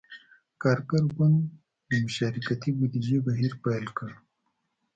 کارګر ګوند د »مشارکتي بودیجې« بهیر پیل کړ.